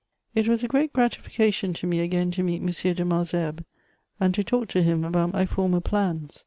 It was a grest gralification to me again to meet M. de Malesherbes, and to talk to him about my former plans.